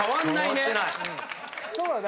そうだね。